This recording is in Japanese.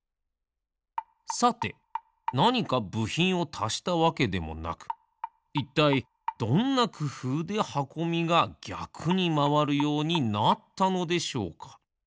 さてなにかぶひんをたしたわけでもなくいったいどんなくふうではこみがぎゃくにまわるようになったのでしょうか？